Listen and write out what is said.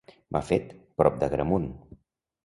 Mafet, prop d'Agramunt.